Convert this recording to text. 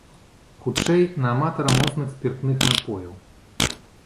Хутчэй, на аматара моцных спіртных напояў.